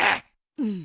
うん。